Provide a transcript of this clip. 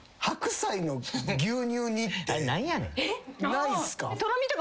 ないっすか？